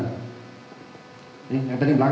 yang tadi belang